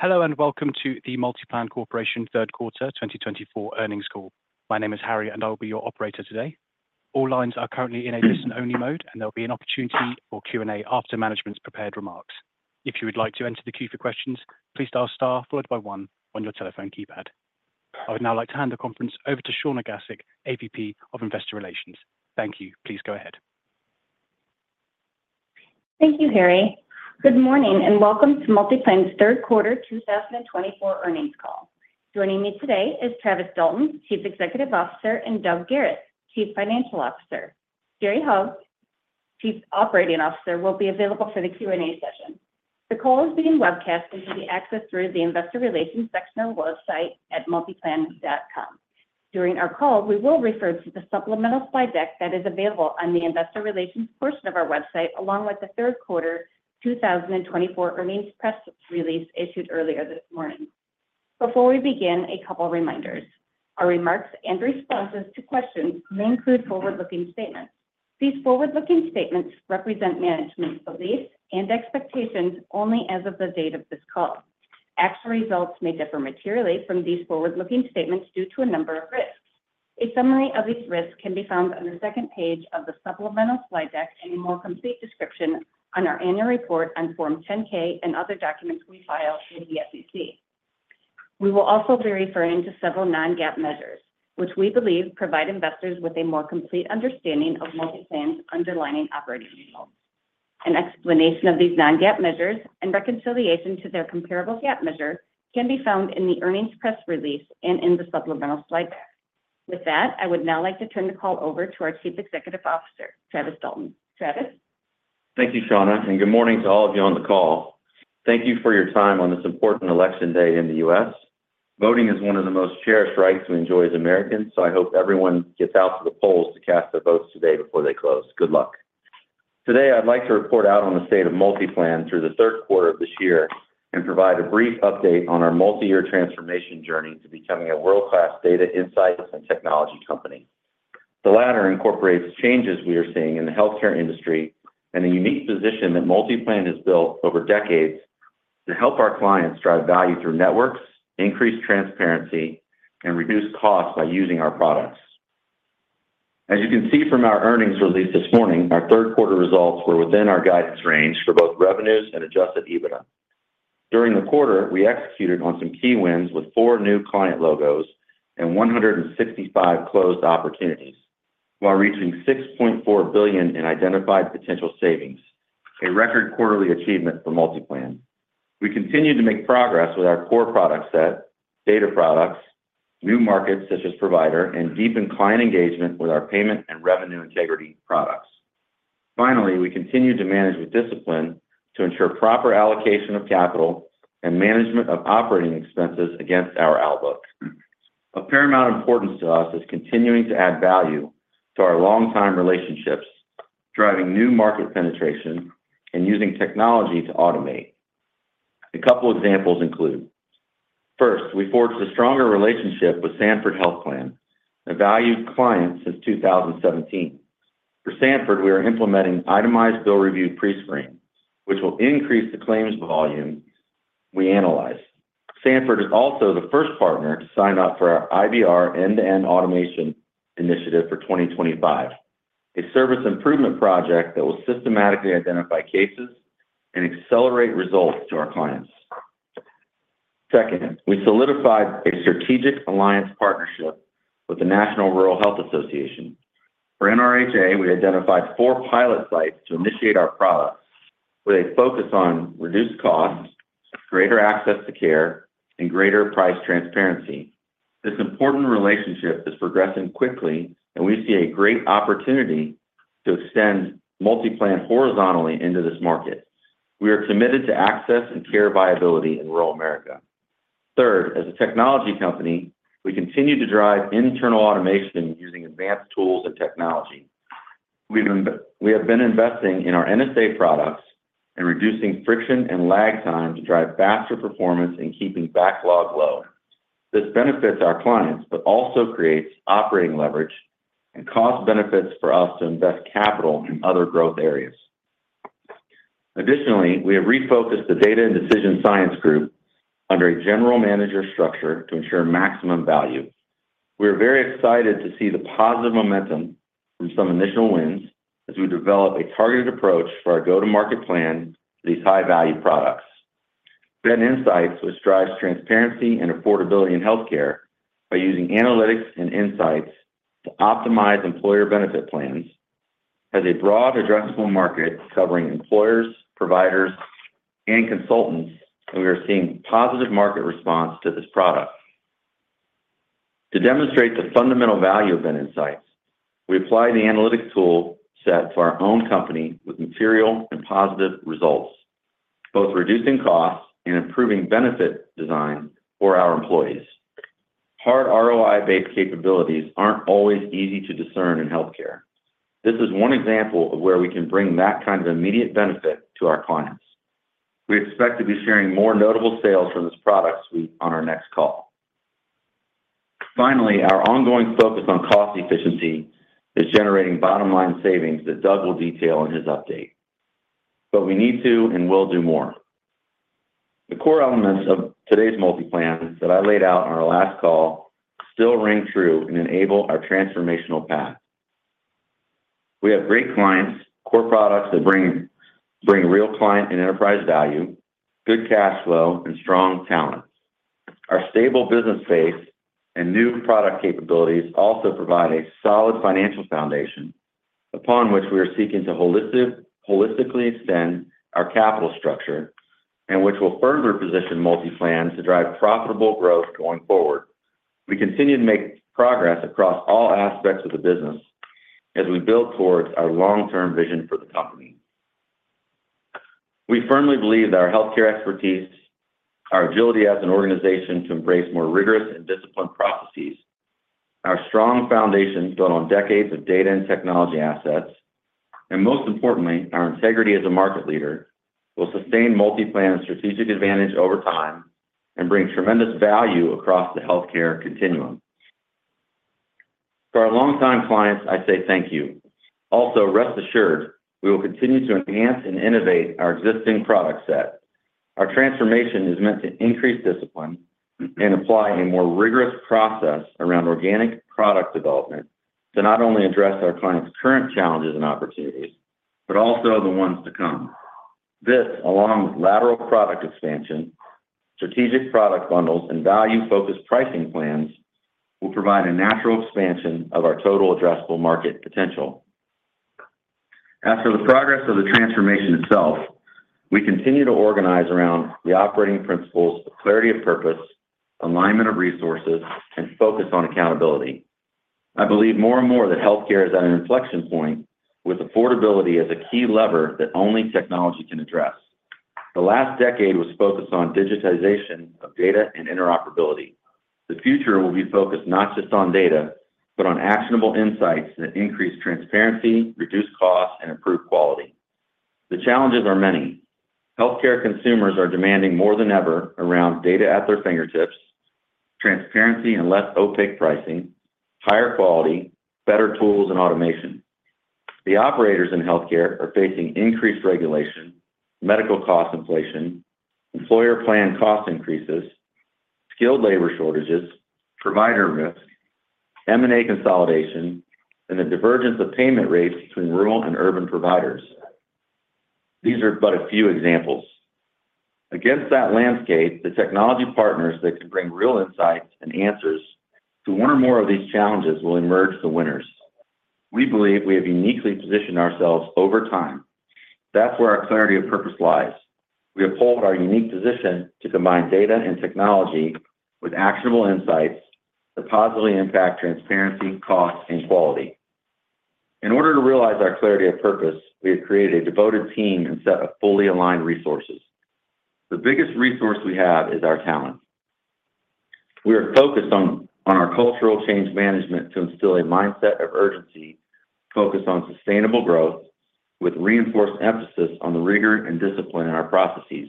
Hello and welcome to the MultiPlan Corporation Third Quarter 2024 Earnings Call. My name is Harry, and I will be your operator today. All lines are currently in a listen-only mode, and there will be an opportunity for Q&A after management's prepared remarks. If you would like to enter the queue for questions, please dial star, followed by one, on your telephone keypad. I would now like to hand the conference over to Shawna Gasik, AVP of Investor Relations. Thank you. Please go ahead. Thank you, Harry. Good morning and welcome to MultiPlan's Third Quarter 2024 Earnings Call. Joining me today is Travis Dalton, Chief Executive Officer, and Doug Garis, Chief Financial Officer. Jerry Hogge, Chief Operating Officer, will be available for the Q&A session. The call is being webcast and can be accessed through the Investor Relations section of the website at multiplan.com. During our call, we will refer to the supplemental slide deck that is available on the Investor Relations portion of our website, along with the Third Quarter 2024 earnings press release issued earlier this morning. Before we begin, a couple of reminders. Our remarks and responses to questions may include forward-looking statements. These forward-looking statements represent management's beliefs and expectations only as of the date of this call. Actual results may differ materially from these forward-looking statements due to a number of risks. A summary of these risks can be found on the second page of the supplemental slide deck in a more complete description on our annual report on Form 10-K and other documents we file with the SEC. We will also be referring to several non-GAAP measures, which we believe provide investors with a more complete understanding of MultiPlan's underlying operating results. An explanation of these non-GAAP measures and reconciliation to their comparable GAAP measure can be found in the earnings press release and in the supplemental slide deck. With that, I would now like to turn the call over to our Chief Executive Officer, Travis Dalton. Travis? Thank you, Shawna, and good morning to all of you on the call. Thank you for your time on this important election day in the U.S. Voting is one of the most cherished rights we enjoy as Americans, so I hope everyone gets out to the polls to cast their votes today before they close. Good luck. Today, I'd like to report out on the state of MultiPlan through the third quarter of this year and provide a brief update on our multi-year transformation journey to becoming a world-class data insights and technology company. The latter incorporates changes we are seeing in the healthcare industry and the unique position that MultiPlan has built over decades to help our clients drive value through networks, increase transparency, and reduce costs by using our products. As you can see from our earnings release this morning, our third quarter results were within our guidance range for both revenues and Adjusted EBITDA. During the quarter, we executed on some key wins with four new client logos and 165 closed opportunities, while reaching $6.4 billion in identified potential savings, a record quarterly achievement for MultiPlan. We continue to make progress with our core product set, data products, new markets such as Provider, and deepened client engagement with our payment and revenue integrity products. Finally, we continue to manage with discipline to ensure proper allocation of capital and management of operating expenses against our outlook. Of paramount importance to us is continuing to add value to our long-time relationships, driving new market penetration, and using technology to automate. A couple of examples include: First, we forged a stronger relationship with Sanford Health Plan, a valued client since 2017. For Sanford, we are implementing itemized bill review pre-screen, which will increase the claims volume we analyze. Sanford is also the first partner to sign up for our IBR end-to-end automation initiative for 2025, a service improvement project that will systematically identify cases and accelerate results to our clients. Second, we solidified a strategic alliance partnership with the National Rural Health Association. For NRHA, we identified four pilot sites to initiate our products, with a focus on reduced costs, greater access to care, and greater price transparency. This important relationship is progressing quickly, and we see a great opportunity to extend MultiPlan horizontally into this market. We are committed to access and care viability in rural America. Third, as a technology company, we continue to drive internal automation using advanced tools and technology. We have been investing in our NSA products and reducing friction and lag time to drive faster performance and keeping backlog low. This benefits our clients, but also creates operating leverage and cost benefits for us to invest capital in other growth areas. Additionally, we have refocused the data and decision science group under a general manager structure to ensure maximum value. We are very excited to see the positive momentum from some initial wins as we develop a targeted approach for our go-to-market plan for these high-value products. BenInsights, which drives transparency and affordability in healthcare by using analytics and insights to optimize employer benefit plans, has a broad, addressable market covering employers, providers, and consultants, and we are seeing positive market response to this product. To demonstrate the fundamental value of BenInsights, we applied the analytics tool set for our own company with material and positive results, both reducing costs and improving benefit design for our employees. Hard ROI-based capabilities aren't always easy to discern in healthcare. This is one example of where we can bring that kind of immediate benefit to our clients. We expect to be sharing more notable sales from this product suite on our next call. Finally, our ongoing focus on cost efficiency is generating bottom-line savings that Doug will detail in his update. But we need to and will do more. The core elements of today's MultiPlan that I laid out on our last call still ring true and enable our transformational path. We have great clients, core products that bring real client and enterprise value, good cash flow, and strong talent. Our stable business base and new product capabilities also provide a solid financial foundation upon which we are seeking to holistically extend our capital structure, and which will further position MultiPlan to drive profitable growth going forward. We continue to make progress across all aspects of the business as we build towards our long-term vision for the company. We firmly believe that our healthcare expertise, our agility as an organization to embrace more rigorous and disciplined processes, our strong foundation built on decades of data and technology assets, and most importantly, our integrity as a market leader will sustain MultiPlan's strategic advantage over time and bring tremendous value across the healthcare continuum. For our long-time clients, I say thank you. Also, rest assured, we will continue to enhance and innovate our existing product set. Our transformation is meant to increase discipline and apply a more rigorous process around organic product development to not only address our clients' current challenges and opportunities, but also the ones to come. This, along with lateral product expansion, strategic product bundles, and value-focused pricing plans, will provide a natural expansion of our total addressable market potential. As for the progress of the transformation itself, we continue to organize around the operating principles of clarity of purpose, alignment of resources, and focus on accountability. I believe more and more that healthcare is at an inflection point with affordability as a key lever that only technology can address. The last decade was focused on digitization of data and interoperability. The future will be focused not just on data, but on actionable insights that increase transparency, reduce costs, and improve quality. The challenges are many. Healthcare consumers are demanding more than ever around data at their fingertips, transparency and less opaque pricing, higher quality, better tools, and automation. The operators in healthcare are facing increased regulation, medical cost inflation, employer plan cost increases, skilled labor shortages, provider risk, M&A consolidation, and the divergence of payment rates between rural and urban providers. These are but a few examples. Against that landscape, the technology partners that can bring real insights and answers to one or more of these challenges will emerge the winners. We believe we have uniquely positioned ourselves over time. That's where our clarity of purpose lies. We have pulled our unique position to combine data and technology with actionable insights that positively impact transparency, cost, and quality. In order to realize our clarity of purpose, we have created a devoted team and set of fully aligned resources. The biggest resource we have is our talent. We are focused on our cultural change management to instill a mindset of urgency focused on sustainable growth, with reinforced emphasis on the rigor and discipline in our processes.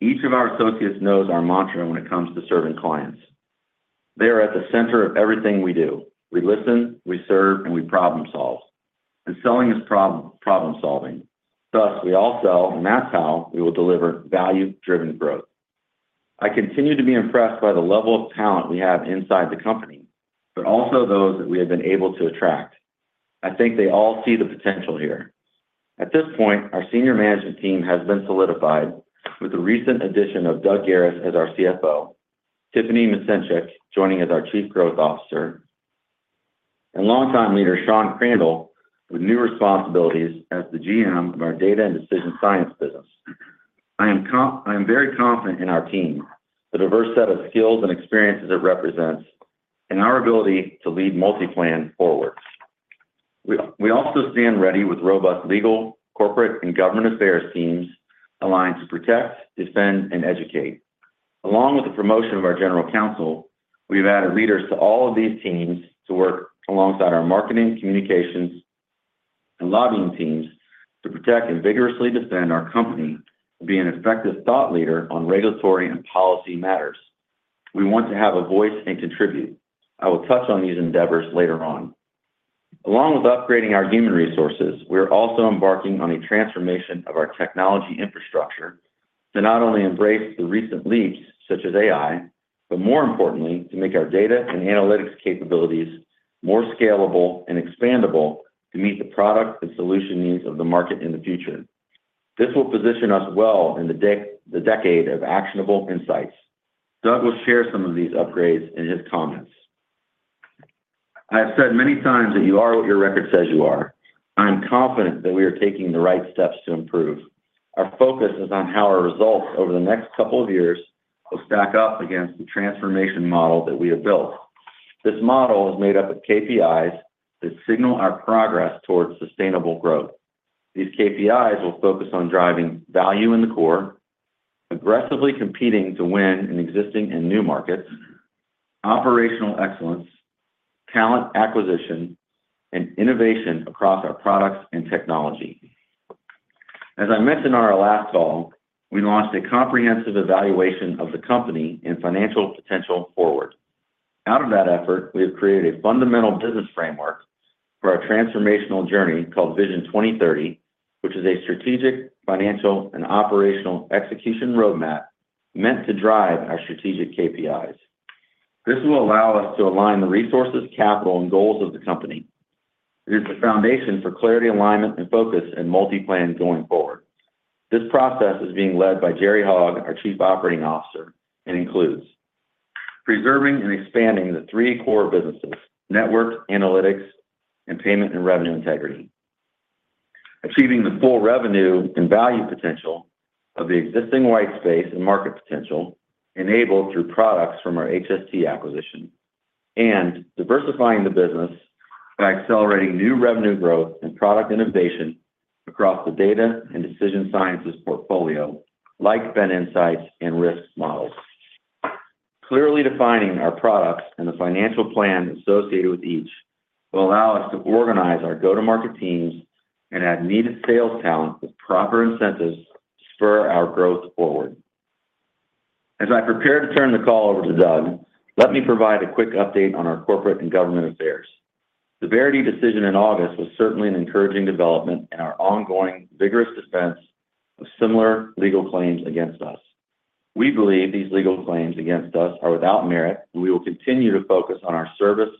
Each of our associates knows our mantra when it comes to serving clients. They are at the center of everything we do. We listen, we serve, and we problem-solve, and selling is problem-solving. Thus, we all sell, and that's how we will deliver value-driven growth. I continue to be impressed by the level of talent we have inside the company, but also those that we have been able to attract. I think they all see the potential here. At this point, our senior management team has been solidified with the recent addition of Doug Garis as our CFO, Tiffani Misencik joining as our Chief Growth Officer, and longtime leader Shawna Crandall with new responsibilities as the GM of our data and decision science business. I am very confident in our team, the diverse set of skills and experiences it represents, and our ability to lead MultiPlan forward. We also stand ready with robust legal, corporate, and government affairs teams aligned to protect, defend, and educate. Along with the promotion of our general counsel, we have added leaders to all of these teams to work alongside our marketing, communications, and lobbying teams to protect and vigorously defend our company and be an effective thought leader on regulatory and policy matters. We want to have a voice and contribute. I will touch on these endeavors later on. Along with upgrading our human resources, we are also embarking on a transformation of our technology infrastructure to not only embrace the recent leaps such as AI, but more importantly, to make our data and analytics capabilities more scalable and expandable to meet the product and solution needs of the market in the future. This will position us well in the decade of actionable insights. Doug will share some of these upgrades in his comments. I have said many times that you are what your record says you are. I am confident that we are taking the right steps to improve. Our focus is on how our results over the next couple of years will stack up against the transformation model that we have built. This model is made up of KPIs that signal our progress towards sustainable growth. These KPIs will focus on driving value in the core, aggressively competing to win in existing and new markets, operational excellence, talent acquisition, and innovation across our products and technology. As I mentioned on our last call, we launched a comprehensive evaluation of the company and financial potential forward. Out of that effort, we have created a fundamental business framework for our transformational journey called Vision 2030, which is a strategic, financial, and operational execution roadmap meant to drive our strategic KPIs. This will allow us to align the resources, capital, and goals of the company. It is the foundation for clarity, alignment, and focus in MultiPlan going forward. This process is being led by Jerry Hogge, our Chief Operating Officer, and includes preserving and expanding the three core businesses: network, analytics, and payment and revenue integrity, achieving the full revenue and value potential of the existing white space and market potential enabled through products from our HST acquisition, and diversifying the business by accelerating new revenue growth and product innovation across the data and decision sciences portfolio like BenInsights and risk models. Clearly defining our products and the financial plan associated with each will allow us to organize our go-to-market teams and add needed sales talent with proper incentives to spur our growth forward. As I prepare to turn the call over to Doug, let me provide a quick update on our corporate and government affairs. The Verity decision in August was certainly an encouraging development in our ongoing vigorous defense of similar legal claims against us. We believe these legal claims against us are without merit, and we will continue to focus on our service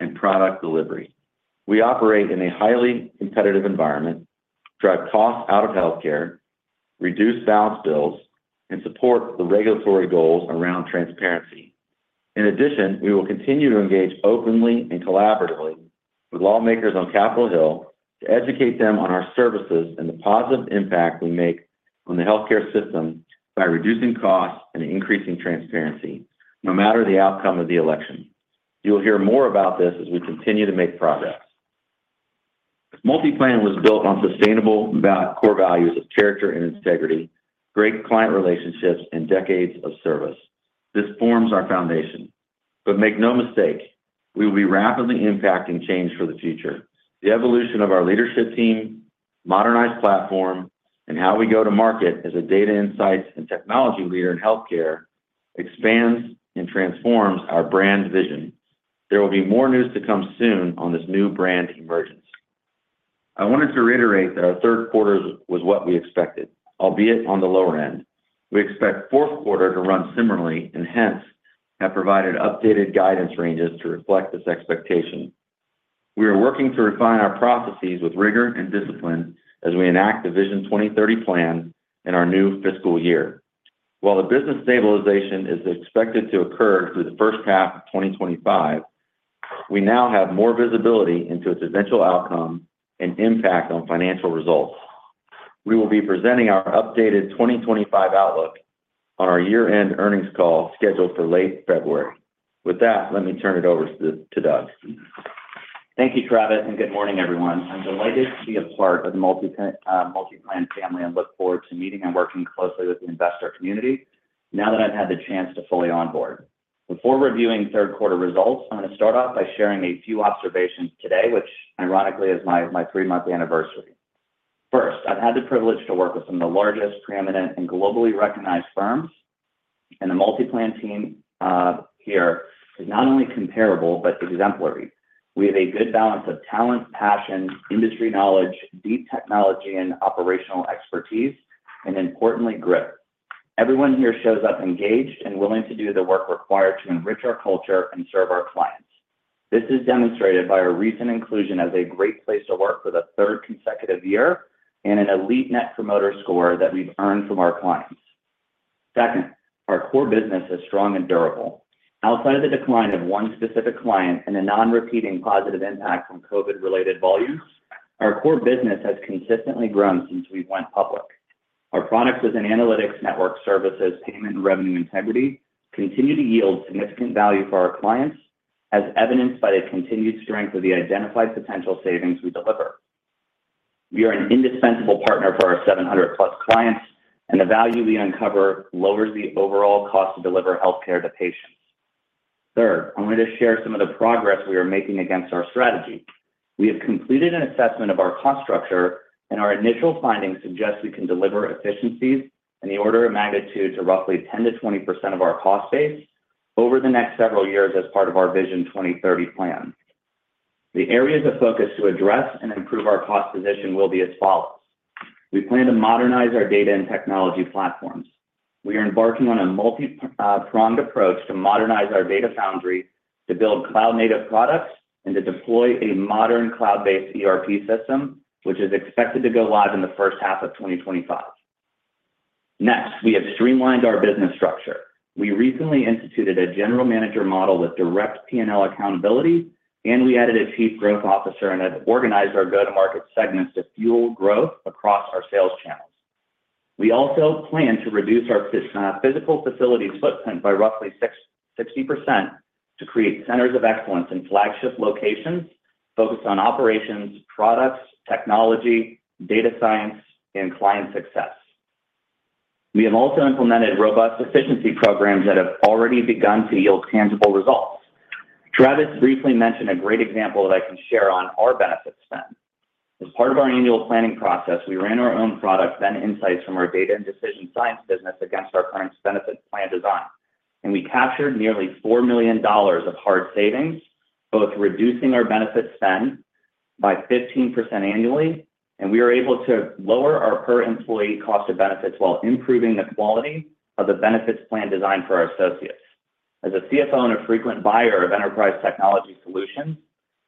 and product delivery. We operate in a highly competitive environment, drive costs out of healthcare, reduce balance bills, and support the regulatory goals around transparency. In addition, we will continue to engage openly and collaboratively with lawmakers on Capitol Hill to educate them on our services and the positive impact we make on the healthcare system by reducing costs and increasing transparency, no matter the outcome of the election. You will hear more about this as we continue to make progress. MultiPlan was built on sustainable core values of character and integrity, great client relationships, and decades of service. This forms our foundation. But make no mistake, we will be rapidly impacting change for the future. The evolution of our leadership team, modernized platform, and how we go to market as a data insights and technology leader in healthcare expands and transforms our brand vision. There will be more news to come soon on this new brand emergence. I wanted to reiterate that our third quarter was what we expected, albeit on the lower end. We expect fourth quarter to run similarly and hence have provided updated guidance ranges to reflect this expectation. We are working to refine our processes with rigor and discipline as we enact the Vision 2030 plan in our new fiscal year. While the business stabilization is expected to occur through the first half of 2025, we now have more visibility into its eventual outcome and impact on financial results. We will be presenting our updated 2025 outlook on our year-end earnings call scheduled for late February. With that, let me turn it over to Doug. Thank you, Travis, and good morning, everyone. I'm delighted to be a part of the MultiPlan family and look forward to meeting and working closely with the investor community now that I've had the chance to fully onboard. Before reviewing third quarter results, I'm going to start off by sharing a few observations today, which ironically is my three-month anniversary. First, I've had the privilege to work with some of the largest, preeminent, and globally recognized firms, and the MultiPlan team here is not only comparable but exemplary. We have a good balance of talent, passion, industry knowledge, deep technology, and operational expertise, and importantly, grit. Everyone here shows up engaged and willing to do the work required to enrich our culture and serve our clients. This is demonstrated by our recent inclusion as a Great Place to Work for the third consecutive year and an elite Net Promoter Score that we've earned from our clients. Second, our core business is strong and durable. Outside of the decline of one specific client and a non-repeating positive impact from COVID-related volumes, our core business has consistently grown since we went public. Our products as an analytics network services payment and revenue integrity continue to yield significant value for our clients, as evidenced by the continued strength of the identified potential savings we deliver. We are an indispensable partner for our 700-plus clients, and the value we uncover lowers the overall cost to deliver healthcare to patients. Third, I wanted to share some of the progress we are making against our strategy. We have completed an assessment of our cost structure, and our initial findings suggest we can deliver efficiencies in the order of magnitude to roughly 10%-20% of our cost base over the next several years as part of our Vision 2030 plan. The areas of focus to address and improve our cost position will be as follows. We plan to modernize our data and technology platforms. We are embarking on a multi-pronged approach to modernize our Data Foundry to build cloud-native products and to deploy a modern cloud-based ERP system, which is expected to go live in the first half of 2025. Next, we have streamlined our business structure. We recently instituted a general manager model with direct P&L accountability, and we added a Chief Growth Officer and have organized our go-to-market segments to fuel growth across our sales channels. We also plan to reduce our physical facilities footprint by roughly 60% to create centers of excellence in flagship locations focused on operations, products, technology, data science, and client success. We have also implemented robust efficiency programs that have already begun to yield tangible results. Travis briefly mentioned a great example that I can share on our benefit spend. As part of our annual planning process, we ran our own product, BenInsights, from our data and decision science business against our current benefit plan design. And we captured nearly $4 million of hard savings, both reducing our benefit spend by 15% annually, and we were able to lower our per-employee cost of benefits while improving the quality of the benefits plan design for our associates. As a CFO and a frequent buyer of enterprise technology solutions,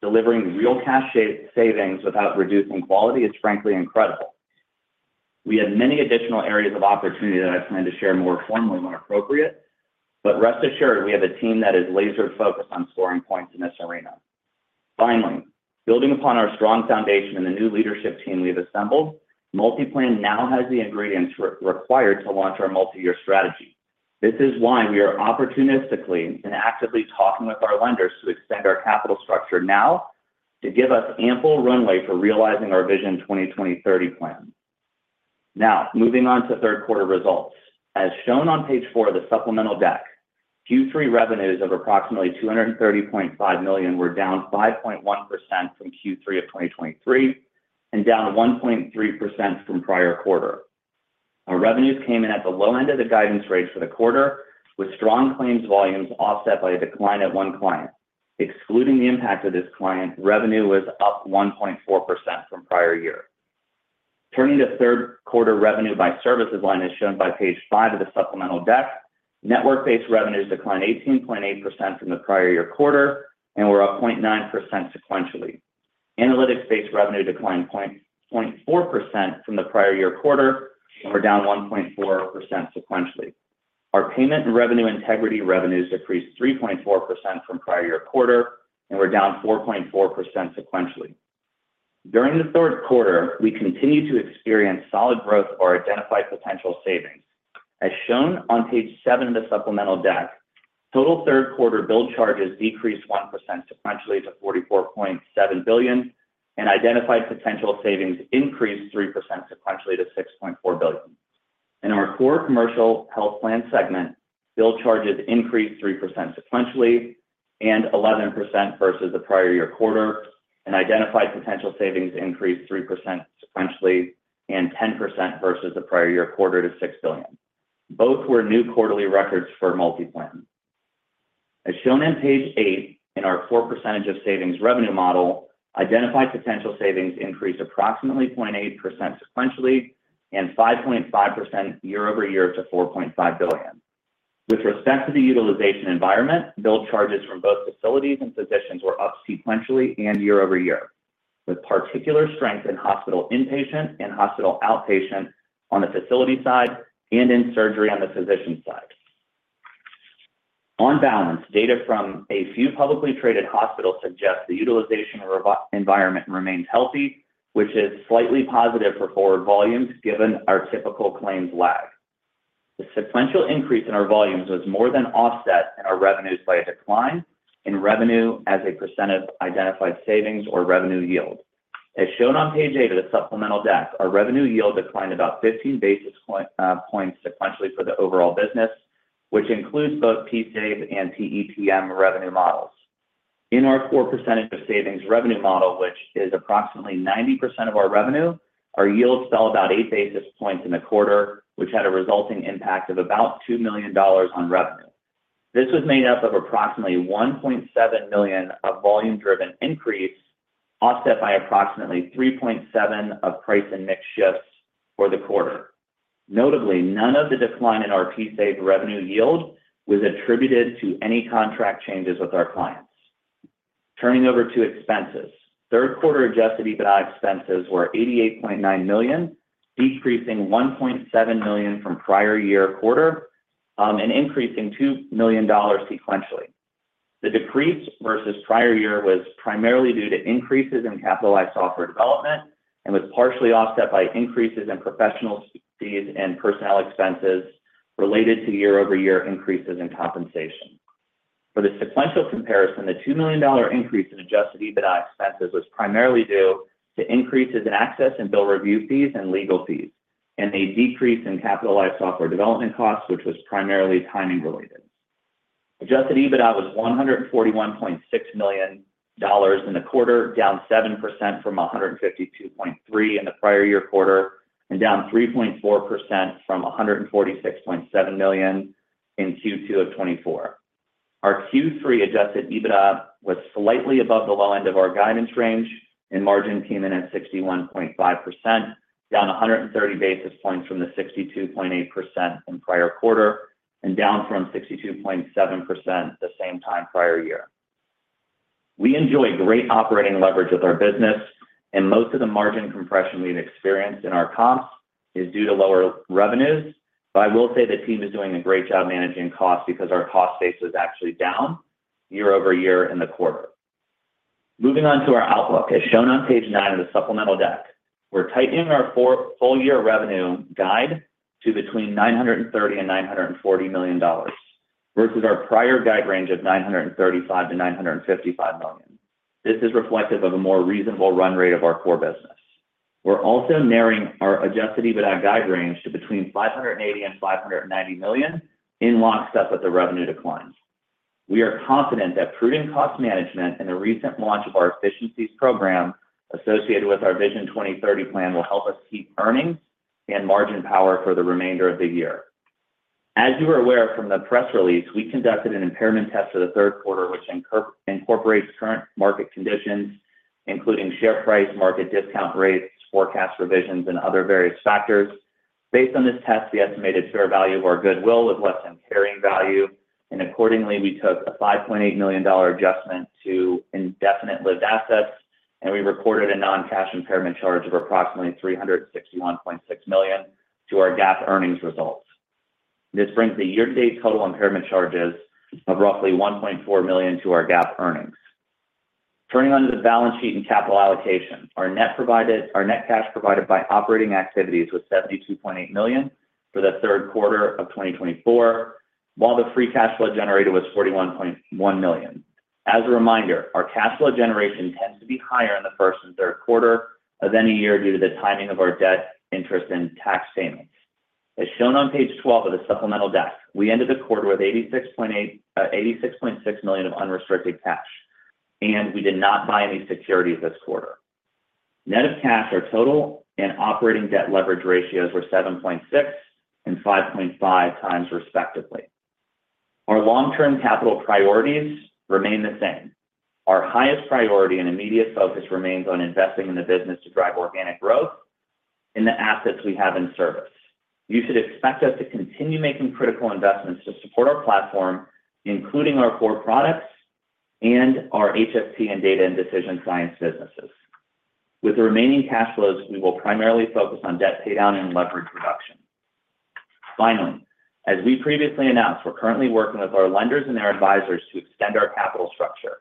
delivering real cash savings without reducing quality is frankly incredible. We have many additional areas of opportunity that I plan to share more formally when appropriate, but rest assured, we have a team that is laser-focused on scoring points in this arena. Finally, building upon our strong foundation and the new leadership team we have assembled, MultiPlan now has the ingredients required to launch our multi-year strategy. This is why we are opportunistically and actively talking with our lenders to extend our capital structure now to give us ample runway for realizing our Vision 2030 plan. Now, moving on to third quarter results. As shown on page four of the supplemental deck, Q3 revenues of approximately $230.5 million were down 5.1% from Q3 of 2023 and down 1.3% from prior quarter. Our revenues came in at the low end of the guidance range for the quarter, with strong claims volumes offset by a decline at one client. Excluding the impact of this client, revenue was up 1.4% from prior year. Turning to third quarter revenue by services line as shown by page five of the supplemental deck, network-based revenues declined 18.8% from the prior year quarter and were up 0.9% sequentially. Analytics-based revenue declined 0.4% from the prior year quarter and were down 1.4% sequentially. Our payment and revenue integrity revenues decreased 3.4% from prior-year quarter and were down 4.4% sequentially. During the third quarter, we continued to experience solid growth of our identified potential savings. As shown on page seven of the supplemental deck, total third quarter billed charges decreased 1% sequentially to $44.7 billion, and identified potential savings increased 3% sequentially to $6.4 billion. In our core commercial health plan segment, billed charges increased 3% sequentially and 11% versus the prior-year quarter, and identified potential savings increased 3% sequentially and 10% versus the prior-year quarter to $6 billion. Both were new quarterly records for MultiPlan. As shown on page eight in our percentage of savings revenue model, identified potential savings increased approximately 0.8% sequentially and 5.5% year over year to $4.5 billion. With respect to the utilization environment, billed charges from both facilities and physicians were up sequentially and year over year, with particular strength in hospital inpatient and hospital outpatient on the facility side and in surgery on the physician side. On balance, data from a few publicly traded hospitals suggest the utilization environment remains healthy, which is slightly positive for forward volumes given our typical claims lag. The sequential increase in our volumes was more than offset in our revenues by a decline in revenue as a % of identified savings or revenue yield. As shown on page eight of the supplemental deck, our revenue yield declined about 15 basis points sequentially for the overall business, which includes both PSAV and PEPM revenue models. In our core percentage of savings revenue model, which is approximately 90% of our revenue, our yield fell about eight basis points in the quarter, which had a resulting impact of about $2 million on revenue. This was made up of approximately $1.7 million of volume-driven increase, offset by approximately $3.7 million of price and mix shifts for the quarter. Notably, none of the decline in our PSAV revenue yield was attributed to any contract changes with our clients. Turning over to expenses, third quarter Adjusted EBITDA expenses were $88.9 million, decreasing $1.7 million from prior-year quarter and increasing $2 million sequentially. The decrease versus prior year was primarily due to increases in capitalized software development and was partially offset by increases in professional fees and personnel expenses related to year-over-year increases in compensation. For the sequential comparison, the $2 million increase in Adjusted EBITDA expenses was primarily due to increases in access and bill review fees and legal fees and a decrease in capitalized software development costs, which was primarily timing-related. Adjusted EBITDA was $141.6 million in the quarter, down 7% from $152.3 million in the prior year quarter and down 3.4% from $146.7 million in Q2 of 2024. Our Q3 Adjusted EBITDA was slightly above the low end of our guidance range and margin came in at 61.5%, down 130 basis points from the 62.8% in prior quarter and down from 62.7% the same time prior year. We enjoy great operating leverage with our business, and most of the margin compression we've experienced in our comps is due to lower revenues, but I will say the team is doing a great job managing costs because our cost base was actually down year over year in the quarter. Moving on to our outlook, as shown on page nine of the supplemental deck, we're tightening our full year revenue guide to between $930 and $940 million versus our prior guide range of $935 to $955 million. This is reflective of a more reasonable run rate of our core business. We're also narrowing our Adjusted EBITDA guide range to between $580 and $590 million in lockstep with the revenue declines. We are confident that prudent cost management and the recent launch of our efficiencies program associated with our Vision 2030 plan will help us keep earnings and margin power for the remainder of the year. As you are aware from the press release, we conducted an impairment test for the third quarter, which incorporates current market conditions, including share price, market discount rates, forecast revisions, and other various factors. Based on this test, the estimated fair value of our goodwill was less than carrying value, and accordingly, we took a $5.8 million adjustment to indefinite lived assets, and we recorded a non-cash impairment charge of approximately $361.6 million to our GAAP earnings results. This brings the year-to-date total impairment charges of roughly $1.4 million to our GAAP earnings. Turning onto the balance sheet and capital allocation, our net cash provided by operating activities was $72.8 million for the third quarter of 2024, while the free cash flow generated was $41.1 million. As a reminder, our cash flow generation tends to be higher in the first and third quarter of any year due to the timing of our debt, interest, and tax payments. As shown on page 12 of the supplemental deck, we ended the quarter with $86.6 million of unrestricted cash, and we did not buy any securities this quarter. Net of cash, our total and operating debt leverage ratios were 7.6 and 5.5 times respectively. Our long-term capital priorities remain the same. Our highest priority and immediate focus remains on investing in the business to drive organic growth in the assets we have in service. You should expect us to continue making critical investments to support our platform, including our core products and our HST and data and decision science businesses. With the remaining cash flows, we will primarily focus on debt paydown and leverage reduction. Finally, as we previously announced, we're currently working with our lenders and their advisors to extend our capital structure.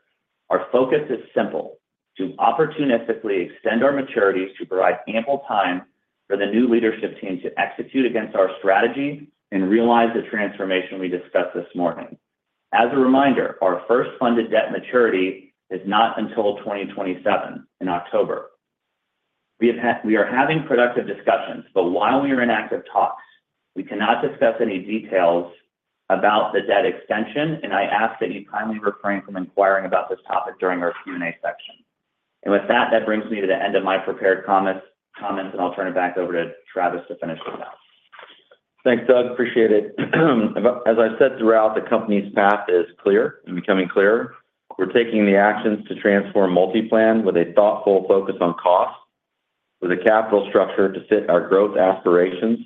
Our focus is simple: to opportunistically extend our maturities to provide ample time for the new leadership team to execute against our strategy and realize the transformation we discussed this morning. As a reminder, our first funded debt maturity is not until 2027 in October. We are having productive discussions, but while we are in active talks, we cannot discuss any details about the debt extension, and I ask that you kindly refrain from inquiring about this topic during our Q&A section. And with that, that brings me to the end of my prepared comments, and I'll turn it back over to Travis to finish this out. Thanks, Doug. Appreciate it. As I've said throughout, the company's path is clear and becoming clearer. We're taking the actions to transform MultiPlan with a thoughtful focus on cost, with a capital structure to fit our growth aspirations,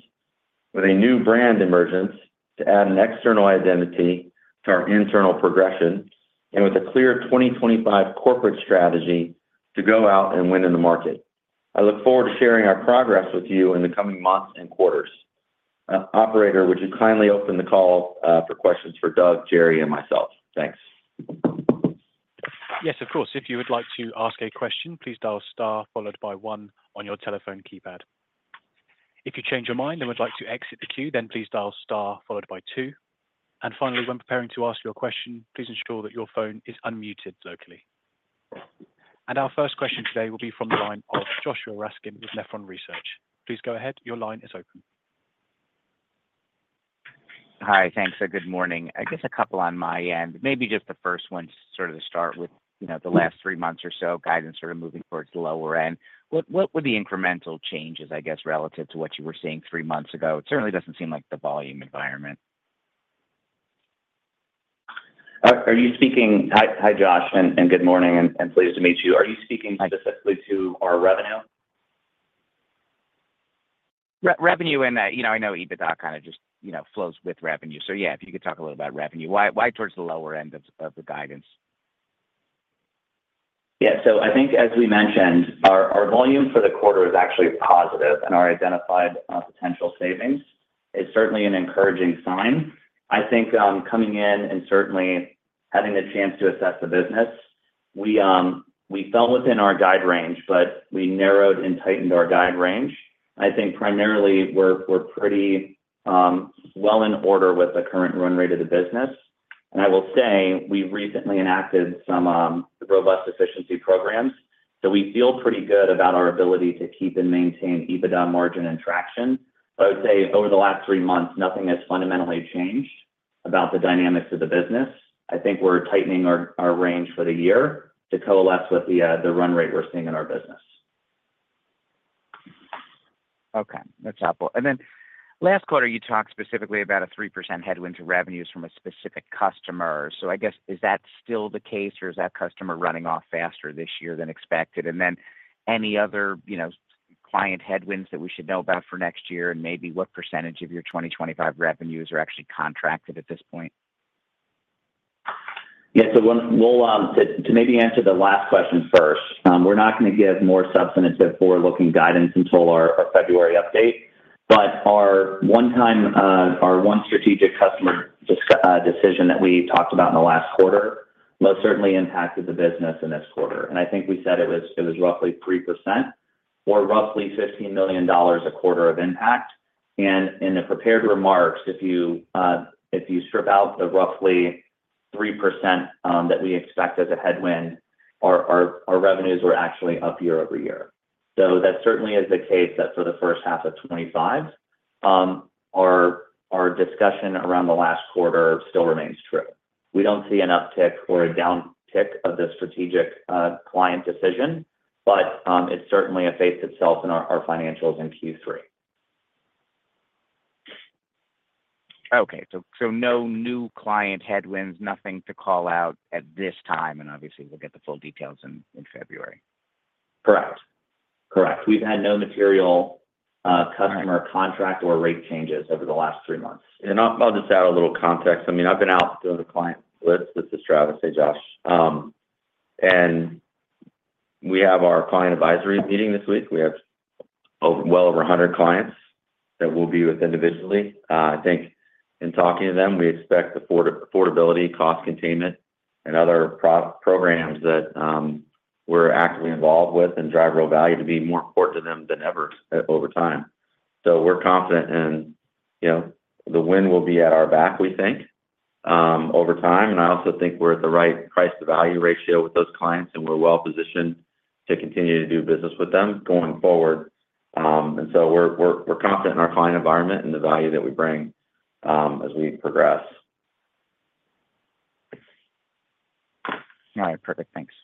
with a new brand emergence to add an external identity to our internal progression, and with a clear 2025 corporate strategy to go out and win in the market. I look forward to sharing our progress with you in the coming months and quarters. Operator, would you kindly open the call for questions for Doug, Jerry, and myself? Thanks. Yes, of course. If you would like to ask a question, please dial star followed by one on your telephone keypad. If you change your mind and would like to exit the queue, then please dial star followed by two. And finally, when preparing to ask your question, please ensure that your phone is unmuted locally. And our first question today will be from the line of Joshua Raskin with Nephron Research. Please go ahead. Your line is open. Hi, thanks. Good morning. I guess a couple on my end. Maybe just the first one to sort of start with the last three months or so, guidance sort of moving towards the lower end. What were the incremental changes, I guess, relative to what you were seeing three months ago? It certainly doesn't seem like the volume environment. Are you speaking? Hi, Josh, and good morning, and pleased to meet you. Are you speaking specifically to our revenue? Revenue and I know EBITDA kind of just flows with revenue. So yeah, if you could talk a little about revenue. Why towards the lower end of the guidance? Yeah. So I think, as we mentioned, our volume for the quarter is actually positive, and our identified potential savings is certainly an encouraging sign. I think coming in and certainly having the chance to assess the business, we fell within our guide range, but we narrowed and tightened our guide range. I think primarily we're pretty well in order with the current run rate of the business. And I will say we recently enacted some robust efficiency programs, so we feel pretty good about our ability to keep and maintain EBITDA margin and traction. But I would say over the last three months, nothing has fundamentally changed about the dynamics of the business. I think we're tightening our range for the year to coalesce with the run rate we're seeing in our business. Okay. That's helpful. And then last quarter, you talked specifically about a 3% headwind to revenues from a specific customer. So I guess, is that still the case, or is that customer running off faster this year than expected? And then any other client headwinds that we should know about for next year, and maybe what percentage of your 2025 revenues are actually contracted at this point? Yeah. So to maybe answer the last question first, we're not going to give more substantive forward-looking guidance until our February update, but our one strategic customer decision that we talked about in the last quarter most certainly impacted the business in this quarter. And I think we said it was roughly 3% or roughly $15 million a quarter of impact. And in the prepared remarks, if you strip out the roughly 3% that we expect as a headwind, our revenues were actually up year over year. So that certainly is the case that for the first half of 2025, our discussion around the last quarter still remains true. We don't see an uptick or a downtick of the strategic client decision, but it certainly effaced itself in our financials in Q3. Okay. So no new client headwinds, nothing to call out at this time, and obviously, we'll get the full details in February. Correct. Correct. We've had no material customer contract or rate changes over the last three months. And I'll just add a little context. I mean, I've been out doing a client list. This is Travis. Hey, Josh. And we have our client advisory meeting this week. We have well over 100 clients that we'll be with individually. I think in talking to them, we expect affordability, cost containment, and other programs that we're actively involved with and drive real value to be more important to them than ever over time. So we're confident in the wind will be at our back, we think, over time. And I also think we're at the right price-to-value ratio with those clients, and we're well positioned to continue to do business with them going forward. And so we're confident in our client environment and the value that we bring as we progress. All right. Perfect. Thanks.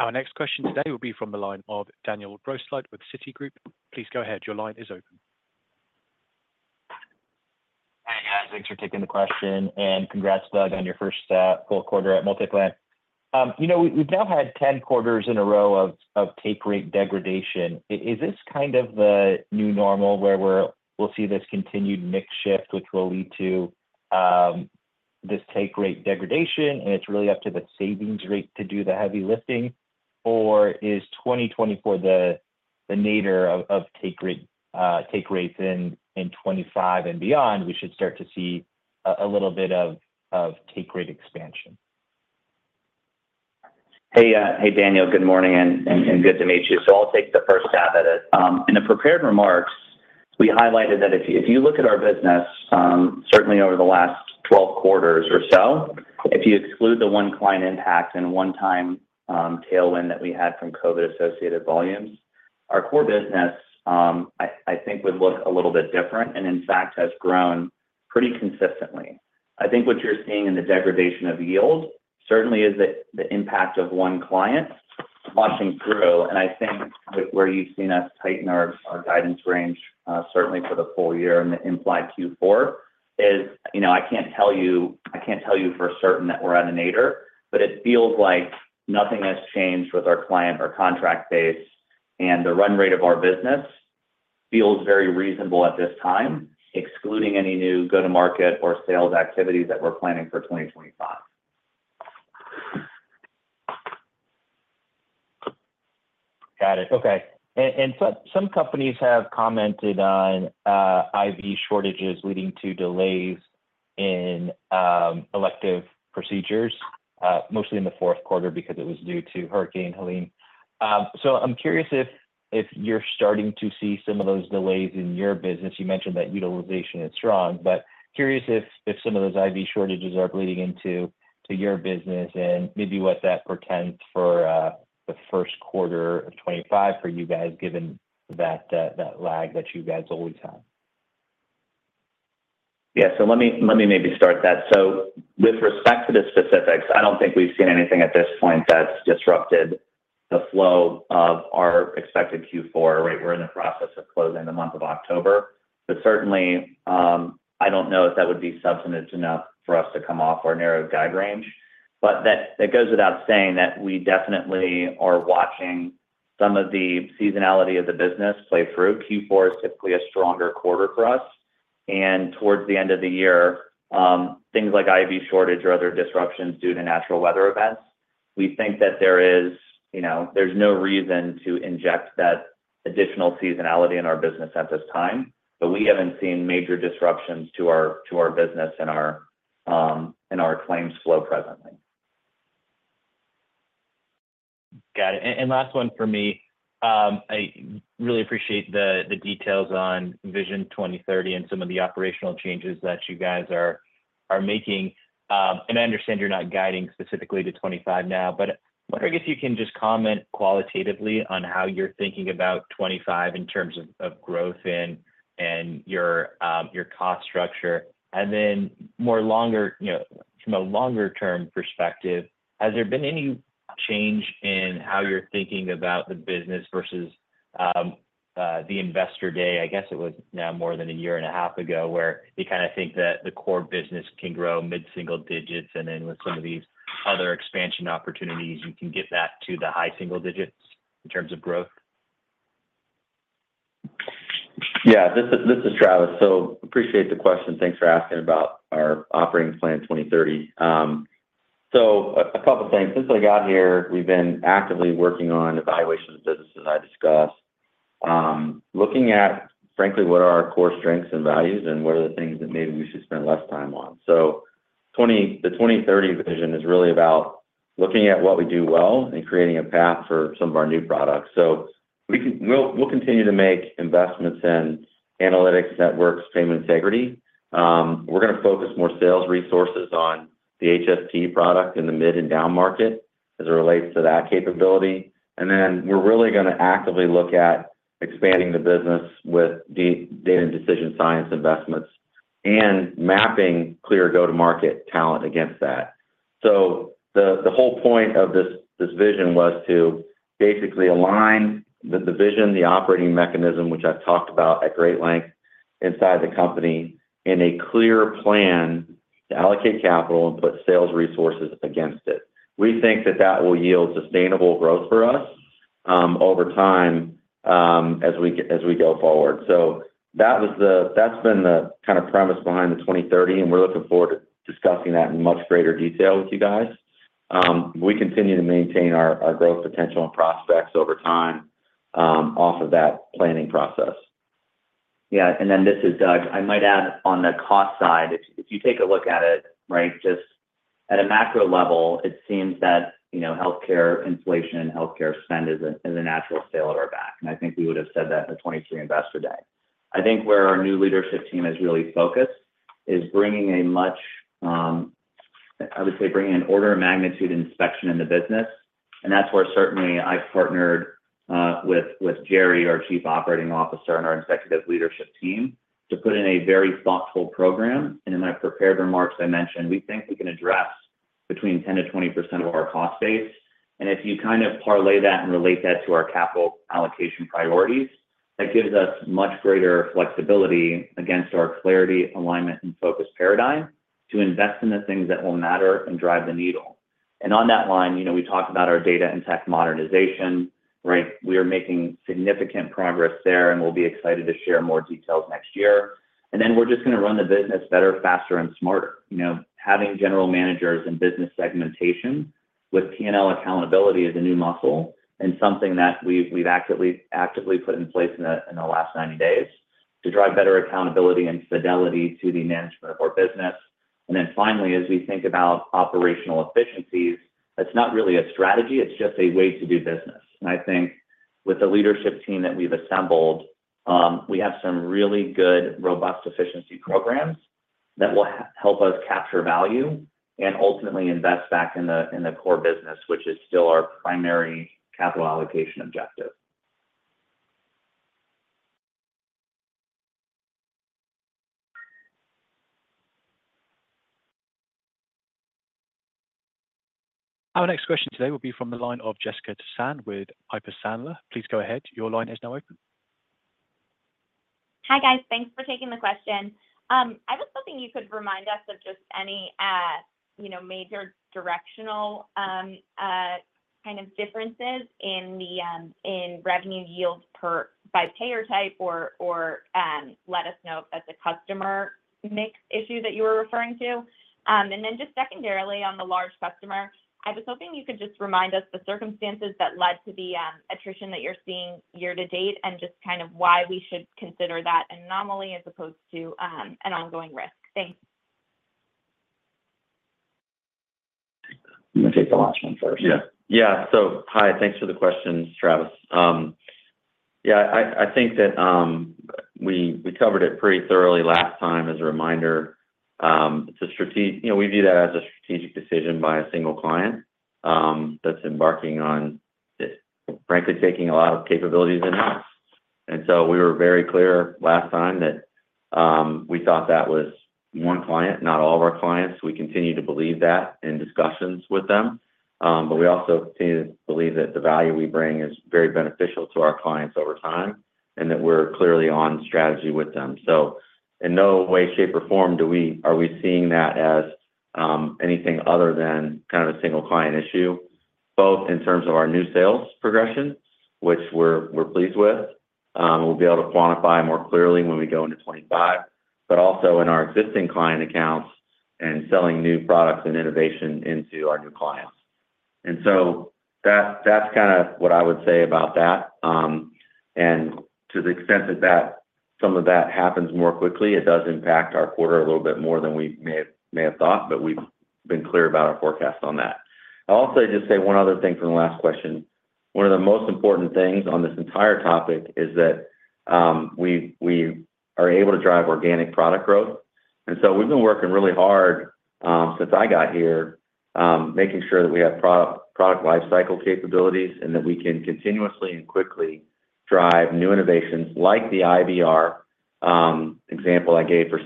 Our next question today will be from the line of Daniel Grosslight with Citigroup. Please go ahead. Your line is open. Hey, guys. Thanks for taking the question. And congrats, Doug, on your first full quarter at MultiPlan. We've now had 10 quarters in a row of take-rate degradation. Is this kind of the new normal where we'll see this continued mix shift, which will lead to this take-rate degradation, and it's really up to the savings rate to do the heavy lifting, or is 2024 the nadir of take-rate? In 2025 and beyond, we should start to see a little bit of take-rate expansion. Hey, Daniel. Good morning and good to meet you. So I'll take the first stab at it. In the prepared remarks, we highlighted that if you look at our business, certainly over the last 12 quarters or so, if you exclude the one client impact and one-time tailwind that we had from COVID-associated volumes, our core business, I think, would look a little bit different and, in fact, has grown pretty consistently. I think what you're seeing in the degradation of yield certainly is the impact of one client washing through, and I think where you've seen us tighten our guidance range, certainly for the full year and the implied Q4, is I can't tell you for certain that we're at a nadir, but it feels like nothing has changed with our client or contract base, and the run rate of our business feels very reasonable at this time, excluding any new go-to-market or sales activities that we're planning for 2025. Got it. Okay, and some companies have commented on IV shortages leading to delays in elective procedures, mostly in the fourth quarter because it was due to Hurricane Helene, so I'm curious if you're starting to see some of those delays in your business. You mentioned that utilization is strong, but curious if some of those IV shortages are bleeding into your business and maybe what that portends for the first quarter of 2025 for you guys, given that lag that you guys always have? Yeah. So let me maybe start that. So with respect to the specifics, I don't think we've seen anything at this point that's disrupted the flow of our expected Q4. We're in the process of closing the month of October. But certainly, I don't know if that would be substantive enough for us to come off our narrowed guide range. But that goes without saying that we definitely are watching some of the seasonality of the business play through. Q4 is typically a stronger quarter for us. And towards the end of the year, things like IV shortage or other disruptions due to natural weather events, we think that there is no reason to inject that additional seasonality in our business at this time, but we haven't seen major disruptions to our business and our claims flow presently. Got it. And last one for me. I really appreciate the details on Vision 2030 and some of the operational changes that you guys are making. And I understand you're not guiding specifically to 2025 now, but I'm wondering if you can just comment qualitatively on how you're thinking about 2025 in terms of growth and your cost structure. And then from a longer-term perspective, has there been any change in how you're thinking about the business versus the investor day? I guess it was now more than a year and a half ago where you kind of think that the core business can grow mid-single digits, and then with some of these other expansion opportunities, you can get back to the high single digits in terms of growth. Yeah. This is Travis. So appreciate the question. Thanks for asking about our Vision 2030. So a couple of things. Since I got here, we've been actively working on evaluation of businesses I discussed, looking at, frankly, what are our core strengths and values and what are the things that maybe we should spend less time on. So the 2030 vision is really about looking at what we do well and creating a path for some of our new products. So we'll continue to make investments in analytics, networks, payment integrity. We're going to focus more sales resources on the HST product in the mid and down market as it relates to that capability, and then we're really going to actively look at expanding the business with data and decision science investments and mapping clear go-to-market talent against that, so the whole point of this vision was to basically align the vision, the operating mechanism, which I've talked about at great length inside the company, in a clear plan to allocate capital and put sales resources against it. We think that that will yield sustainable growth for us over time as we go forward, so that's been the kind of premise behind the 2030, and we're looking forward to discussing that in much greater detail with you guys. We continue to maintain our growth potential and prospects over time off of that planning process. Yeah, and then this is Doug. I might add on the cost side. If you take a look at it, right, just at a macro level, it seems that healthcare inflation and healthcare spend is a natural tailwind at our back. And I think we would have said that at the 2023 investor day. I think where our new leadership team is really focused is bringing a much, I would say, bringing an order of magnitude introspection in the business. And that's where certainly I've partnered with Jerry, our Chief Operating Officer and our executive leadership team, to put in a very thoughtful program. And in my prepared remarks, I mentioned we think we can address between 10%-20% of our cost base. And if you kind of parlay that and relate that to our capital allocation priorities, that gives us much greater flexibility against our clarity, alignment, and focus paradigm to invest in the things that will matter and drive the needle. And on that line, we talked about our data and tech modernization, right? We are making significant progress there, and we'll be excited to share more details next year. And then we're just going to run the business better, faster, and smarter. Having general managers and business segmentation with P&L accountability is a new muscle and something that we've actively put in place in the last 90 days to drive better accountability and fidelity to the management of our business. And then finally, as we think about operational efficiencies, it's not really a strategy. It's just a way to do business. And I think with the leadership team that we've assembled, we have some really good, robust efficiency programs that will help us capture value and ultimately invest back in the core business, which is still our primary capital allocation objective. Our next question today will be from the line of Jessica Tassan with Piper Sandler. Please go ahead. Your line is now open. Hi, guys. Thanks for taking the question. I was hoping you could remind us of just any major directional kind of differences in revenue yields by payer type or let us know if that's a customer mix issue that you were referring to. Then just secondarily, on the large customer, I was hoping you could just remind us the circumstances that led to the attrition that you're seeing year to date and just kind of why we should consider that an anomaly as opposed to an ongoing risk. Thanks. I'm going to take the last one first. Yeah. Yeah. So, hi. Thanks for the question, Travis. Yeah. I think that we covered it pretty thoroughly last time as a reminder. We view that as a strategic decision by a single client that's embarking on, frankly, taking a lot of capabilities in-house. And so we were very clear last time that we thought that was one client, not all of our clients. We continue to believe that in discussions with them. But we also believe that the value we bring is very beneficial to our clients over time and that we're clearly on strategy with them. So in no way, shape, or form are we seeing that as anything other than kind of a single client issue, both in terms of our new sales progression, which we're pleased with, and we'll be able to quantify more clearly when we go into 2025, but also in our existing client accounts and selling new products and innovation into our new clients. And so that's kind of what I would say about that. And to the extent that some of that happens more quickly, it does impact our quarter a little bit more than we may have thought, but we've been clear about our forecast on that. I'll also just say one other thing from the last question. One of the most important things on this entire topic is that we are able to drive organic product growth. And so we've been working really hard since I got here, making sure that we have product life cycle capabilities and that we can continuously and quickly drive new innovations like the IBR example I gave for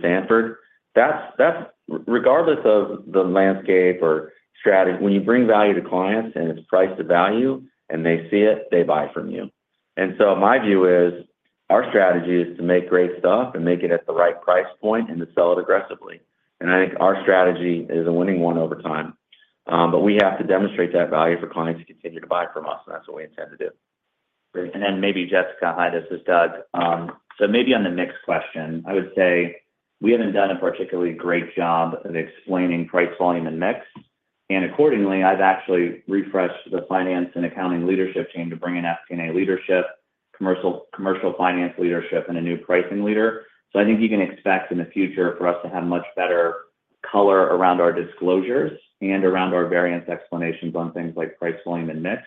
Sanford. Regardless of the landscape or strategy, when you bring value to clients and it's price to value and they see it, they buy from you. And so my view is our strategy is to make great stuff and make it at the right price point and to sell it aggressively. And I think our strategy is a winning one over time. But we have to demonstrate that value for clients to continue to buy from us, and that's what we intend to do. And then maybe Jessica. Hi. This is Doug. So, maybe on the mix question, I would say we haven't done a particularly great job of explaining price, volume, and mix. And accordingly, I've actually refreshed the finance and accounting leadership team to bring in FP&A leadership, commercial finance leadership, and a new pricing leader. So I think you can expect in the future for us to have much better color around our disclosures and around our variance explanations on things like price, volume, and mix.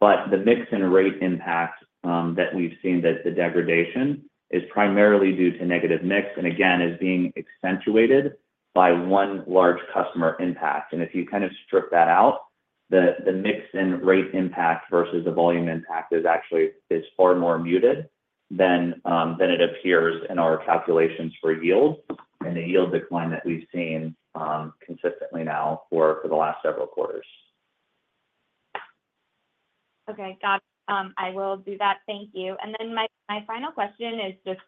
But the mix and rate impact that we've seen, that the degradation is primarily due to negative mix and, again, is being accentuated by one large customer impact. And if you kind of strip that out, the mix and rate impact versus the volume impact is far more muted than it appears in our calculations for yield and the yield decline that we've seen consistently now for the last several quarters. Okay. Got it. I will do that. Thank you, and then my final question is just,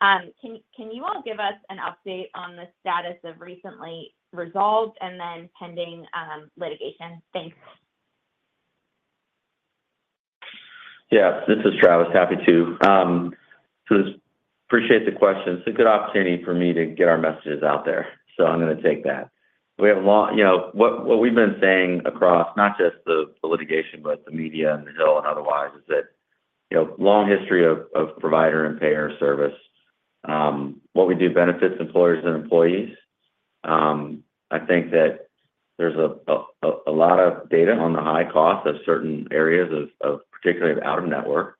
can you all give us an update on the status of recently resolved and then pending litigation? Thanks. Yeah. This is Travis. Happy to. So appreciate the question. It's a good opportunity for me to get our messages out there. So I'm going to take that. We have a lot what we've been saying across not just the litigation, but the media and the Hill and otherwise is that long history of provider and payer service. What we do benefits employers and employees. I think that there's a lot of data on the high cost of certain areas, particularly of out-of-network.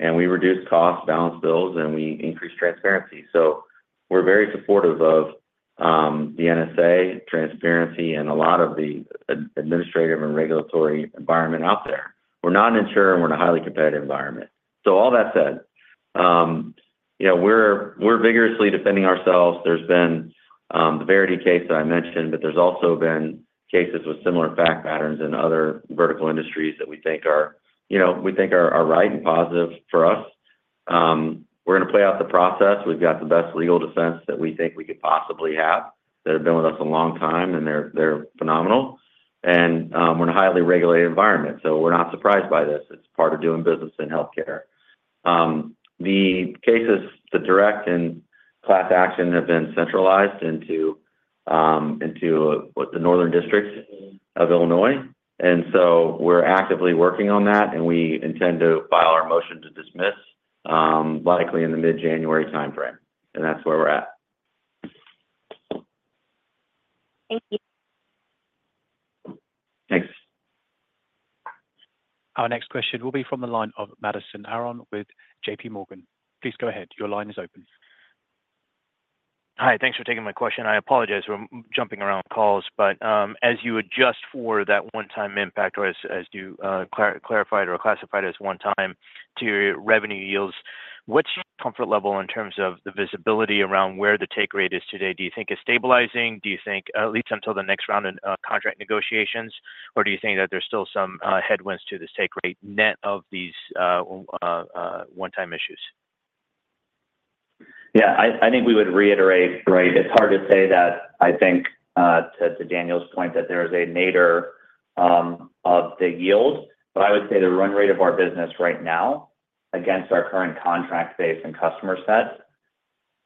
And we reduce costs, balance bills, and we increase transparency. So we're very supportive of the NSA transparency and a lot of the administrative and regulatory environment out there. We're not an insurer. We're in a highly competitive environment. So all that said, we're vigorously defending ourselves. There's been the Verity case that I mentioned, but there's also been cases with similar fact patterns in other vertical industries that we think are right and positive for us. We're going to play out the process. We've got the best legal defense that we think we could possibly have that have been with us a long time, and they're phenomenal, and we're in a highly regulated environment, so we're not surprised by this. It's part of doing business in healthcare. The cases, the direct and class action have been centralized into the Northern District of Illinois. And so we're actively working on that, and we intend to file our motion to dismiss likely in the mid-January timeframe. And that's where we're at. Thank you. Thanks. Our next question will be from the line of Madison Aron with J.P. Morgan. Please go ahead. Your line is open. Hi. Thanks for taking my question. I apologize for jumping around calls. But as you adjust for that one-time impact, or as you clarified or classified as one-time to revenue yields, what's your comfort level in terms of the visibility around where the take rate is today? Do you think it's stabilizing? Do you think at least until the next round of contract negotiations, or do you think that there's still some headwinds to this take rate net of these one-time issues? Yeah. I think we would reiterate, right? It's hard to say that, I think, to Daniel's point, that there is a nadir of the yield. But I would say the run rate of our business right now against our current contract base and customer set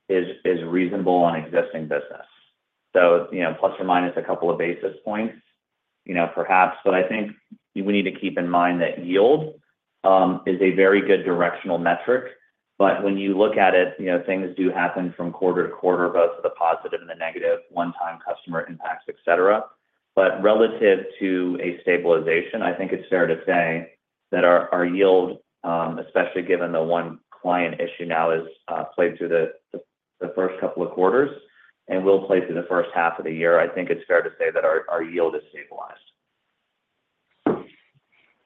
is reasonable on existing business. So plus or minus a couple of basis points, perhaps. But I think we need to keep in mind that yield is a very good directional metric. But when you look at it, things do happen from quarter to quarter, both the positive and the negative, one-time customer impacts, etc. But relative to a stabilization, I think it's fair to say that our yield, especially given the one client issue now, has played through the first couple of quarters and will play through the first half of the year. I think it's fair to say that our yield is stabilized.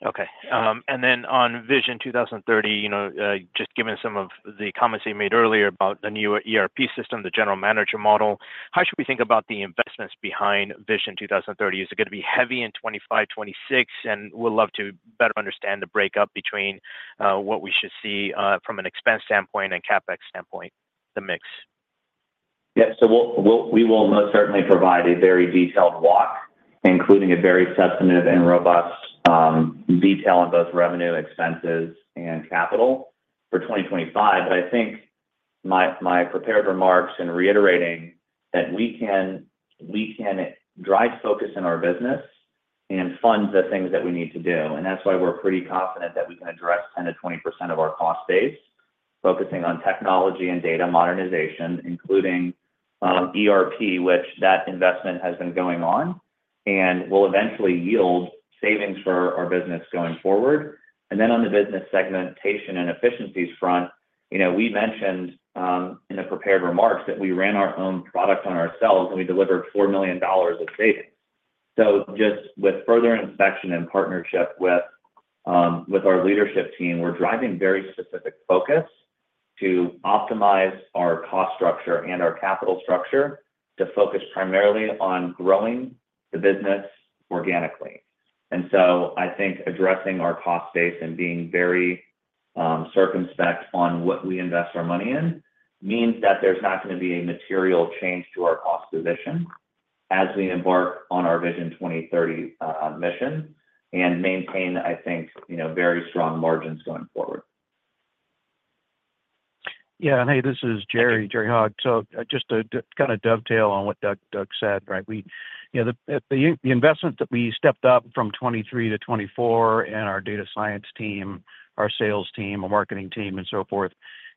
Okay. And then on Vision 2030, just given some of the comments you made earlier about the new ERP system, the general manager model, how should we think about the investments behind Vision 2030? Is it going to be heavy in 2025, 2026? And we'd love to better understand the breakdown between what we should see from an expense standpoint and CapEx standpoint, the mix. Yeah. So we will most certainly provide a very detailed walk, including a very substantive and robust detail on both revenue, expenses, and capital for 2025. But I think my prepared remarks, and reiterating that we can drive focus in our business and fund the things that we need to do. And that's why we're pretty confident that we can address 10%-20% of our cost base, focusing on technology and data modernization, including ERP, which that investment has been going on and will eventually yield savings for our business going forward. And then on the business segmentation and efficiencies front, we mentioned in the prepared remarks that we ran our own product on ourselves, and we delivered $4 million of savings. So just with further inspection and partnership with our leadership team, we're driving very specific focus to optimize our cost structure and our capital structure to focus primarily on growing the business organically. And so I think addressing our cost base and being very circumspect on what we invest our money in means that there's not going to be a material change to our cost position as we embark on our Vision 2030 mission and maintain, I think, very strong margins going forward. Yeah. And hey, this is Jerry Hogge. So just to kind of dovetail on what Doug said, right? The investment that we stepped up from 2023 to 2024 in our data science team, our sales team, our marketing team, and so forth,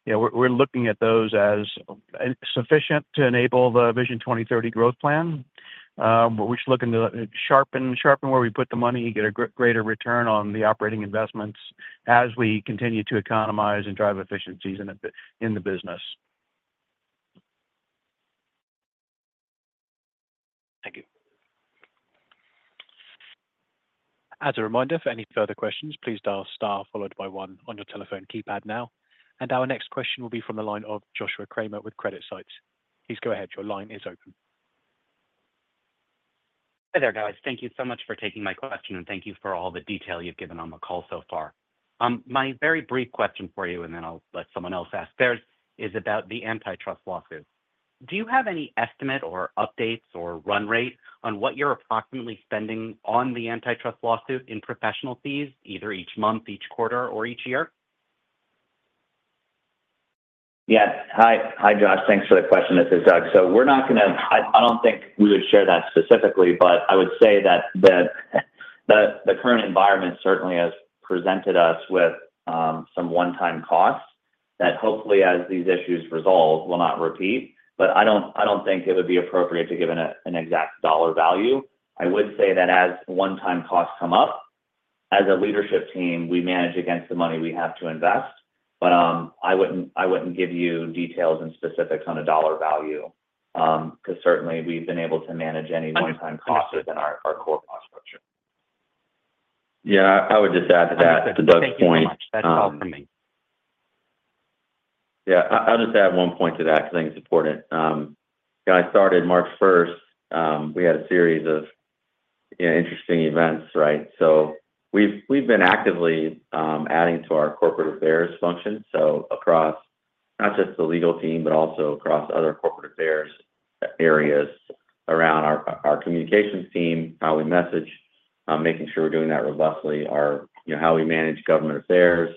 we're looking at those as sufficient to enable the Vision 2030 growth plan. We're just looking to sharpen where we put the money, get a greater return on the operating investments as we continue to economize and drive efficiencies in the business. Thank you. As a reminder, for any further questions, please dial star followed by one on your telephone keypad now. And our next question will be from the line of Joshua Kramer with CreditSights. Please go ahead. Your line is open. Hi there, guys. Thank you so much for taking my question, and thank you for all the detail you've given on the call so far. My very brief question for you, and then I'll let someone else ask theirs, is about the antitrust lawsuit. Do you have any estimate or updates or run rate on what you're approximately spending on the antitrust lawsuit in professional fees, either each month, each quarter, or each year? Yeah. Hi, Josh. Thanks for the question. This is Doug. So, we're not going to. I don't think we would share that specifically, but I would say that the current environment certainly has presented us with some one-time costs that hopefully, as these issues resolve, will not repeat. But I don't think it would be appropriate to give an exact dollar value. I would say that as one-time costs come up, as a leadership team, we manage against the money we have to invest. But I wouldn't give you details and specifics on a dollar value because certainly we've been able to manage any one-time costs within our core cost structure. Yeah. I would just add to that, to Doug's point. That's all for me. Yeah. I'll just add one point to that because I think it's important. I started March 1st. We had a series of interesting events, right? So we've been actively adding to our corporate affairs function. Across not just the legal team, but also across other corporate affairs areas around our communications team, how we message, making sure we're doing that robustly, how we manage government affairs.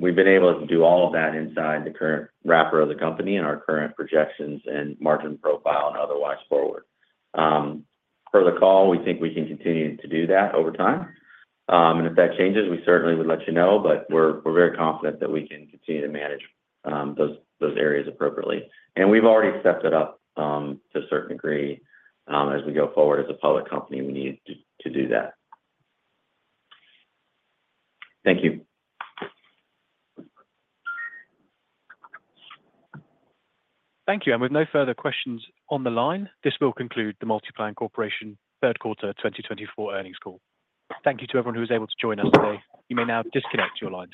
We've been able to do all of that inside the current wrapper of the company and our current projections and margin profile and otherwise forward. Per the call, we think we can continue to do that over time. If that changes, we certainly would let you know, but we're very confident that we can continue to manage those areas appropriately. We've already stepped it up to a certain degree as we go forward as a public company. We need to do that. Thank you. Thank you. With no further questions on the line, this will conclude the MultiPlan Corporation third quarter 2024 earnings call. Thank you to everyone who was able to join us today. You may now disconnect your lines.